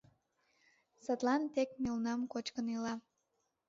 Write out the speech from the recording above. Садлан тек мелнам кочкын ила.